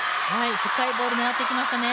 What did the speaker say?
深いボール狙っていきましたね。